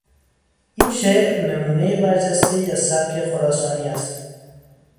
این شعر نمونهی برجستهای از سبک خراسانی است.